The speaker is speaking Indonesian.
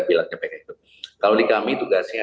bilang sampai itu kalau di kami tugasnya